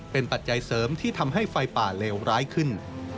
เป็นปัจจัยเสริมที่ทำให้ไฟป่าเลวร้ายขึ้น